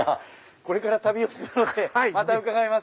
これから旅をするのでまた伺います。